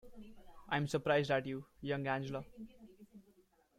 I'm surprised at you, young Angela.